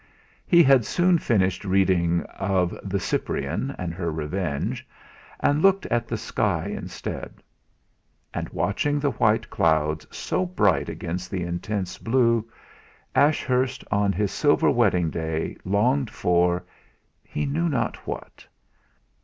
He had soon finished reading of "The Cyprian" and her revenge, and looked at the sky instead. And watching the white clouds so bright against the intense blue, Ashurst, on his silver wedding day, longed for he knew not what.